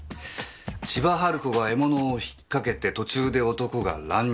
千葉ハル子が獲物を引っ掛けて途中で男が乱入。